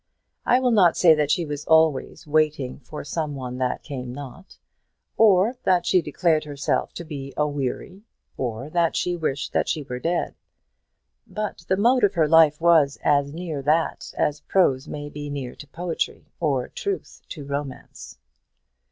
I will not say that she was always waiting for some one that came not, or that she declared herself to be aweary, or that she wished that she were dead. But the mode of her life was as near that as prose may be near to poetry, or truth to romance.